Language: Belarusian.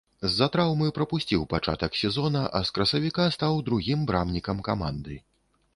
З-за траўмы прапусціў пачатак сезона, а з красавіка стаў другім брамнікам каманды.